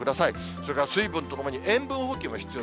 それから水分とともに塩分補給も必要。